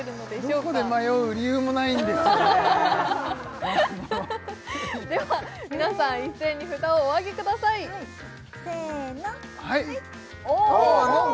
どこで迷う理由もないんですよねでは皆さん一斉に札をお上げくださいはいせのあ